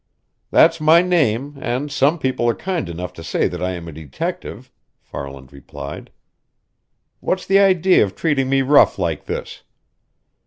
"That's my name, and some people are kind enough to say that I am a detective," Farland replied. "What's the idea of treating me rough like this?"